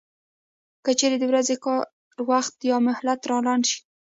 که چېرې د ورځني کار وخت یا مهلت را لنډ شي